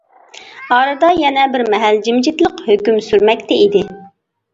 ئارىدا يەنە بىرمەھەل جىمجىتلىق ھۆكۈم سۈرمەكتە ئىدى.